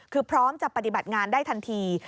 คือพร้อมจะปฏิบัติงานได้ทันที